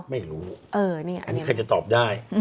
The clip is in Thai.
ไม่รู้อันนี้ใครจะตอบได้